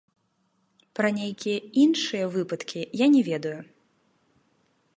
Пра нейкія іншыя выпадкі я не ведаю.